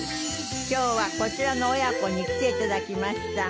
今日はこちらの親子に来ていただきました。